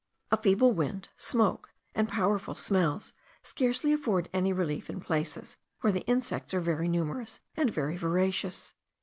A feeble wind, smoke, and powerful smells, scarcely afford any relief in places where the insects are very numerous and very voracious.